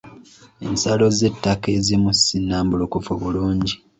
Ensalo z'ettaka ezimu si nnambulukufu bulungi.